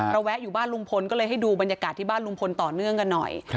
แวะอยู่บ้านลุงพลก็เลยให้ดูบรรยากาศที่บ้านลุงพลต่อเนื่องกันหน่อย